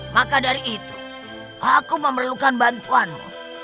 maka dari itu aku memerlukan bantuanmu